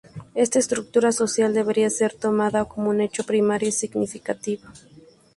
Esta estructura social debería ser tomada como un hecho primario y significativo.